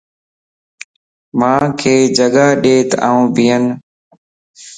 مانک جگاڏيت آن ٻين